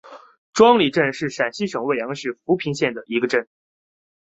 庄里镇是陕西省渭南市富平县的一个镇。